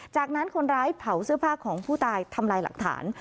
จากนั้นคนร้ายเผาเสื้อผ้าของผู้ตายทำลายหลักฐาน